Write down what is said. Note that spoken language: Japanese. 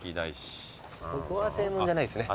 ここは正門じゃないですね。